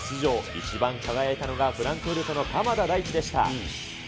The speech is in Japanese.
一番輝いたのが、フランクフルトの鎌田大地でした。